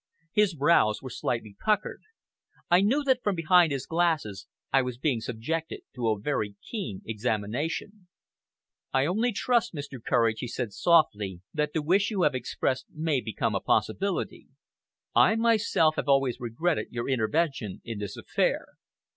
His brows were slightly puckered. I knew that from behind his glasses I was being subjected to a very keen examination. "I only trust, Mr. Courage,"' he said softly, "that the wish you have expressed may become a possibility. I myself have always regretted your intervention in this affair.